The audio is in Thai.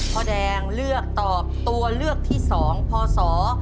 พ่อแดงเลือกตอบตัวเลือกที่๒พศ๒๕